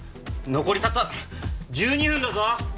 残りたった１２分だぞ！